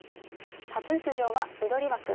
初出場は緑枠。